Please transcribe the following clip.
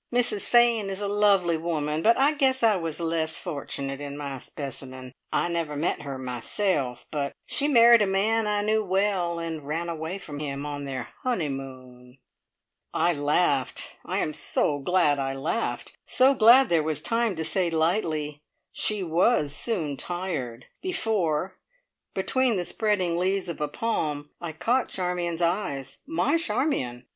Mrs Fane is a lovely woman. But I guess I was less fortunate in my specimen. I never met her myself, but she married a man I knew well, and ran away from him on their honeymoon!" I laughed. I am so glad I laughed. So glad there was time to say lightly, "She was soon tired!" before, between the spreading leaves of a palm, I caught Charmion's eyes my Charmion!